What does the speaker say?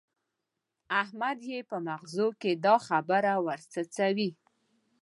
احمد يې په مغزو کې دا خبره ور څڅوي.